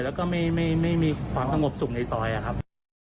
แล้วก็ไม่มีความสงบสุขในซอยครับ